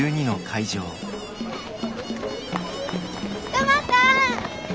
クマさん！